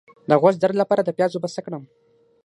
د غوږ درد لپاره د پیاز اوبه څه کړم؟